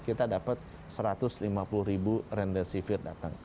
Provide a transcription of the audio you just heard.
kita dapat satu ratus lima puluh ribu remdesivir datang